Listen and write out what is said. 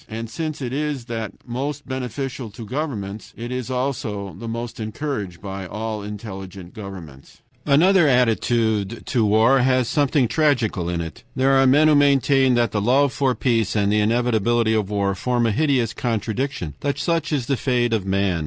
And since it is that most beneficial to governments, it is also the most encouraged by all intelligent governments. Another attitude to war has something tragical in it. There are men who maintain that the love for peace and the inevitability of war form a hideous contradiction, and that such is the fate of man.